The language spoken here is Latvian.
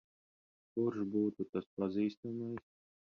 Kurš būtu tas pazīstamais?